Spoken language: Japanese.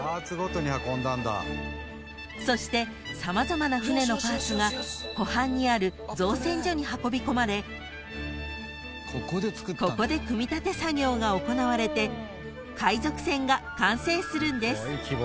［そして様々な船のパーツが湖畔にある造船所に運び込まれここで組み立て作業が行われて海賊船が完成するんです］